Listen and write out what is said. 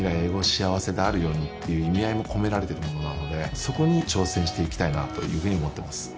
幸せであるようにっていう意味合いも込められてるものなのでそこに挑戦していきたいなというふうに思ってます